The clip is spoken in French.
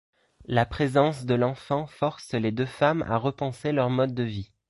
La présence de l'enfant force les deux femmes à repenser leur mode de vie.